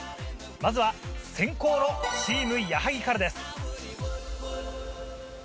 まずは先攻のチーム矢作からです。